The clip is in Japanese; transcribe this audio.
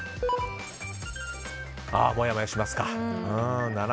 もやもやしますか。